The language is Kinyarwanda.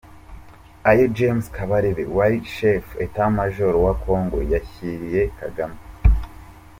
.ayo James Kabarebe wari Chef d’etat Major wa Congo yashyiriye kagame